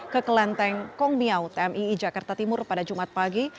ke kelenteng kongbiau tmii jakarta timur pada jumat pagi